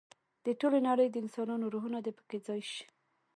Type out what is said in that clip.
د ټولې نړۍ د انسانانو روحونه دې په کې ځای شي.